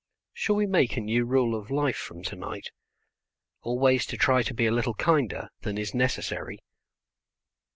Shall we make a new rule of life from tonight: always to try to be a little kinder than is necessary?